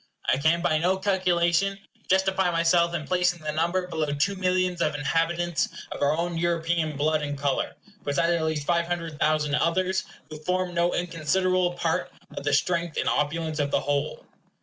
I can by no calculation justify myself in placing the number below two millions of inhabitants of our own European blood and color, besides at least five hundred thousand others, who form no inconsiderable part of the strength and opulence of the whole.